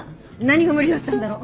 何が無理だったんだろ？